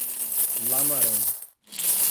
Lamarão